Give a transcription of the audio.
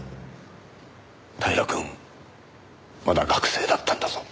平くんまだ学生だったんだぞ。